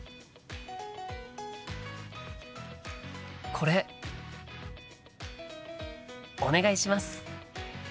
これお願いします。